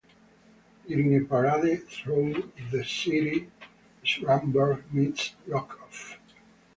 During a parade through the city, Schanberg meets Rockoff.